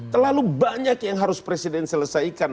terlalu banyak yang harus presiden selesaikan